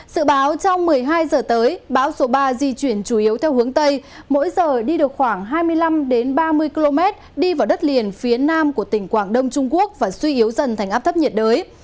sự báo trong một mươi hai giờ tới bão số ba di chuyển chủ yếu theo hướng tây mỗi giờ đi được khoảng hai mươi năm ba mươi km đi vào đất liền phía nam của tỉnh quảng đông trung quốc và suy yếu dần thành áp thấp nhiệt đới